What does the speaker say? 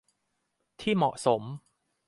ที่เหมาะสม